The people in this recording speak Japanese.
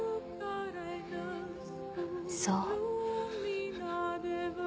そう